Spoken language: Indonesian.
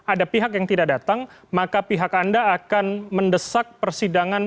ada pihak yang tidak datang maka pihak anda akan mendesak persidangan